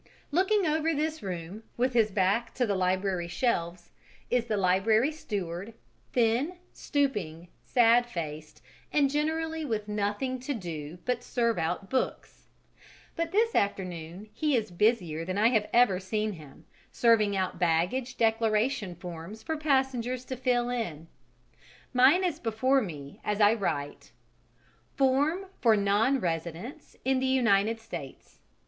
Looking over this room, with his back to the library shelves, is the library steward, thin, stooping, sad faced, and generally with nothing to do but serve out books; but this afternoon he is busier than I have ever seen him, serving out baggage declaration forms for passengers to fill in. Mine is before me as I write: "Form for nonresidents in the United States.